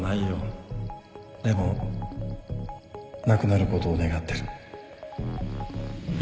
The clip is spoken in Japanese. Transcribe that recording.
でもなくなることを願ってる